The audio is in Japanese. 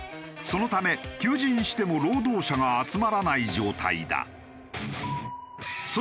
そのため求人しても労働者が集まらない状態だ。